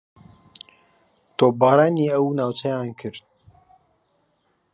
تۆپبارانی ئەو ناوچەیان کرد